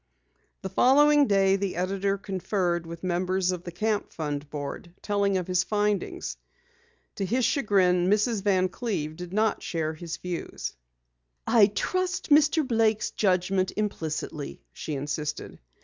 The following day, the editor conferred with members of the Camp Fund board, telling of his findings. To his chagrin, Mrs. Van Cleve did not share his views. "I trust Mr. Blake's judgment implicitly," she insisted.